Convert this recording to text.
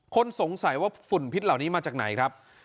คนสงสัยว่าฝุ่นพิษเหล่านี้มาจากไหนครับ